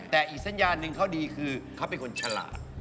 แต่อีกสัญญาณหนึ่งเขาดีคือเขาเป็นคนฉลาด